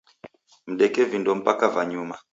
Mdeke vindo mpaka va nyuma.